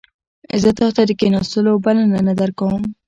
زه تا ته د کښیناستلو بلنه نه درکوم